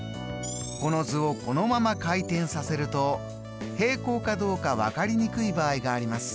この図をこのまま回転させると平行かどうか分かりにくい場合があります。